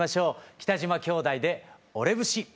北島兄弟で「俺節」。